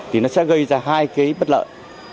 thì nó sẽ gây ra hai cái bất lợi